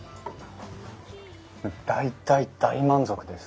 大大大満足です。